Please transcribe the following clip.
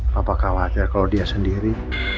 papa khawatir kalo dia sendiri